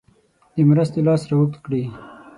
د مرستې لاس را اوږد کړي.